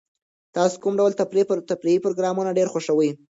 تاسو کوم ډول تفریحي پروګرامونه ډېر خوښوئ؟